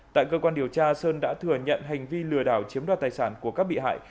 tại cơ quan điều tra sơn đã thừa nhận hành vi lừa đảo chiếm đoạt tài sản của các bị hại